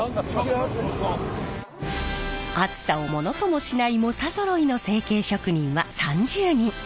暑さをものともしない猛者ぞろいの成形職人は３０人。